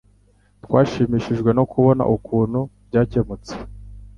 Twashimishijwe no kubona ukuntu byakemutse